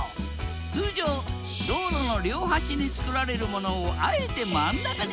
通常道路の両端に造られるものをあえて真ん中に造った。